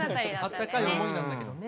あったかい思いなんだけどね。